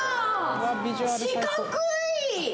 四角い！